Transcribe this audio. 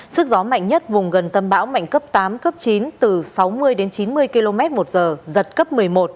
sức gió mạnh nhất vùng gần tâm bão mạnh cấp tám cấp chín từ sáu mươi đến chín mươi km một giờ giật cấp một mươi một